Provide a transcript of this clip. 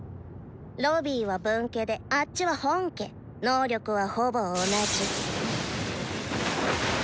ロビーは分家であッチは本家能力はほぼ同じ。